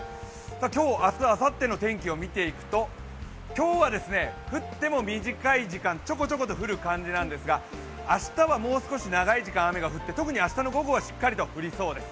今日、明日、あさっての天気を見ていくと、今日は降っても短い時間ちょこちょこと降る感じなんですが明日はもう少し長い時間、雨が降って特に明日の午後はしっかり降りそうです。